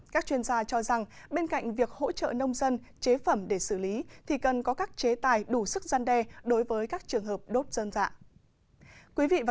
các chuyên gia cho rằng bên cạnh việc hỗ trợ nông dân chế phẩm để xử lý thì cần có các chế tài đủ sức gian đe đối với các trường hợp đốt dơm dạ